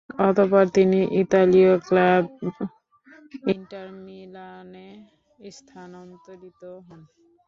অতঃপর তিনি ইতালীয় ক্লাব ইন্টার মিলানে স্থানান্তরিত হন।